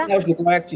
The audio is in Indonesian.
jadi harus dikoeksi